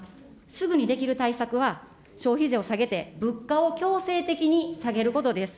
すぐにできる対策は消費税を下げて、物価を強制的に下げることです。